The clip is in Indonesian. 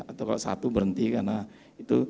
atau kalau satu berhenti karena itu